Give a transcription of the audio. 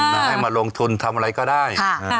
มาให้มาลงทุนทำอะไรก็ได้